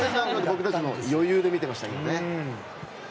僕たちも余裕で見てましたけどね。